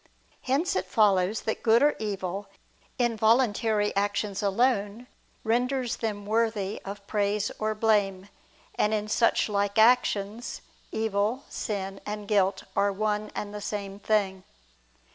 Hence it follows that good or evil, in voluntary actions alone, renders them worthy of praise or blame: and in such like actions, evil, sin and guilt are one and the same thing.